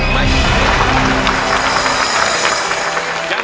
ไม่ใช้ค่ะ